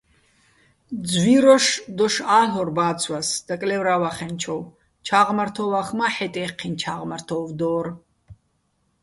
ძვიროშ დოშ ა́ლ'ორ ბა́ცვას, დაკლე́ვრა́ვახენჩოვ, ჩა́ღმართო́ვახ მა́ "ჰ̦ეტ-ე́ჴჴინო̆ ჩა́ღმართო́ვ" დო́რ.